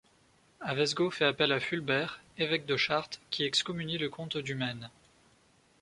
Avesgaud fait appel à Fulbert, évêque de Chartres qui excommunie le comte du Maine.